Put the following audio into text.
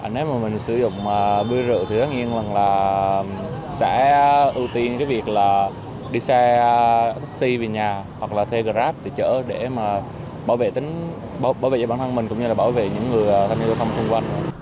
nếu mà mình sử dụng bươi rượu thì tất nhiên là sẽ ưu tiên cái việc là đi xe taxi về nhà hoặc là thuê grab để chở để mà bảo vệ bản thân mình cũng như là bảo vệ những người tham gia giao thông xung quanh